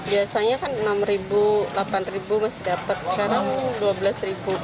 biasanya kan rp enam rp delapan masih dapat sekarang rp dua belas